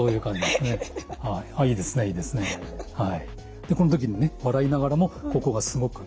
でこの時にね笑いながらもここがすごく。